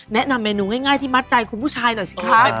แนะนำเมนูง่ายที่มัดใจคุณผู้ชายหน่อยสิคะ